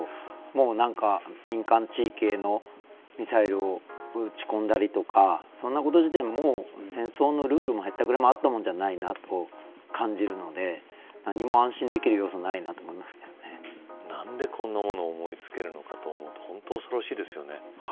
もう民間地域へのミサイルを撃ち込んだりとかそんなこと自体、もう戦争のルールもへったくれもあったもんじゃないと感じるので何も安心できる要素はないなとなんでこんなものを思いつけるのかと思うと本当に恐ろしいですね。